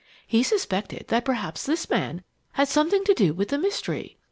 He suspected that perhaps this man had something to do with the mystery.